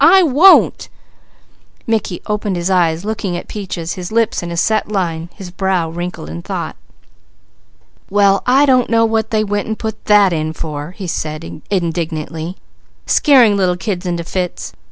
I won't!" Mickey opened his eyes, looking at Peaches, his lips in a set line, his brow wrinkled in thought. "Well I don't know what they went and put that in for," he said indignantly. "Scaring little kids into fits!